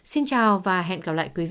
xin chào và hẹn gặp lại quý vị